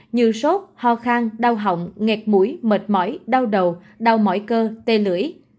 như sốt ho khang đau hỏng nghẹt mũi mệt mỏi đau đầu đau mỏi cơ tê lưỡi